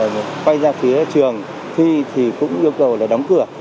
quay ra phía trường thi thì cũng yêu cầu là đóng cửa